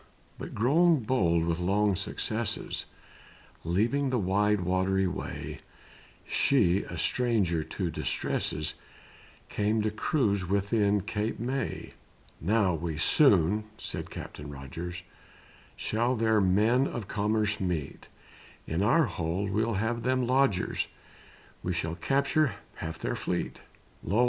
But grown bold with long successes, Leaving the wide watery way, She, a stranger to distresses, Came to cruise within Cape May: "Now we soon (said Captain Rogers) Shall their men of commerce meet; In our hold we'll have them lodgers, We shall capture half their fleet. "Lo!